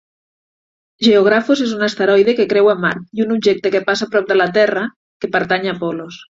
Geographos és un asteroide que creua Mart i un objecte que passa a prop de la Terra, que pertany a Apollos.